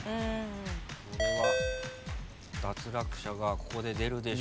これは脱落者がここで出るでしょうか。